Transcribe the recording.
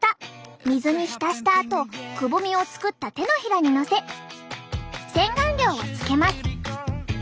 水に浸したあとくぼみを作った手のひらにのせ洗顔料をつけます。